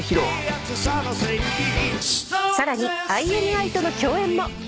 さらにＩＮＩとの共演も。